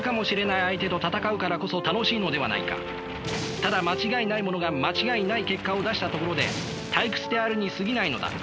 ただ間違いないものが間違いない結果を出したところで退屈であるにすぎないのだ。